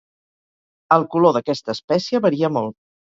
El color d'aquesta espècie varia molt.